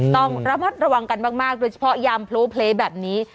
ต้องระมัดระวังกันมากโดยเฉพาะยามโพลเพลแบบนี้